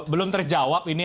belum terjawab ini